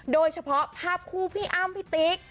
โดยเฉพาะภาพคู่พี่อ้ำพี่ติ๊ก